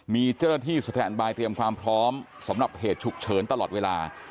มีเจ้าหน้าที่สถานบายเตรียมความพร้อมสำหรับเหตุฉุกเฉินตลอดเวลา